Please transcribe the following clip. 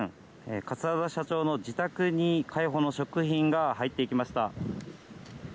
桂田社長の自宅に海保の職員が入っていきました。